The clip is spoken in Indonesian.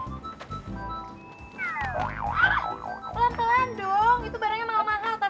pelan pelan dong itu barangnya mahal tapi